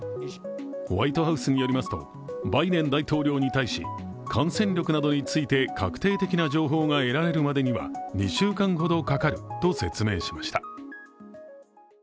ホワイトハウスによりますとバイデン大統領に対し感染力などについて確定的な情報が得られるまでには２週間ほどかかると説明しました。